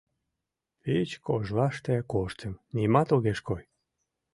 — Пич кожлаште коштым, нимат огеш кой.